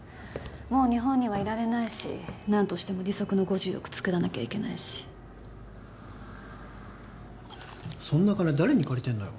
もう日本にはいられないし何としても利息の５０億作らなきゃいけないしそんな金誰に借りてんのよ？